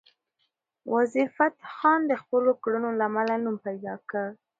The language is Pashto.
وزیرفتح خان د خپلو کړنو له امله نوم پیدا کړ.